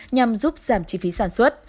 nhằm giúp giảm chi phí sản xuất